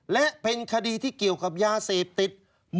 และเป็นคดีที่เกี่ยวกับยาเสพติด